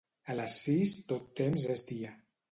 A les sis tot temps és dia.